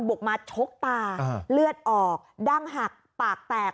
บุกมาชกตาเลือดออกดั้งหักปากแตก